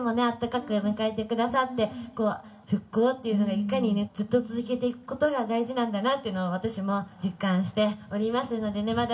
あったかく迎えてくださってこう復興っていうのがいかにねずっと続けていくことが大事なんだなっていうのを私も実感しておりますのでね